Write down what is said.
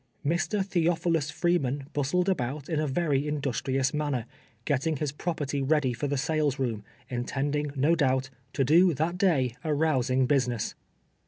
Mr. Theophilus Freeman bustled about in a very industrions manner, getting his property ready for tiie sales room, intending, no doul)t, to do that day a rousing business.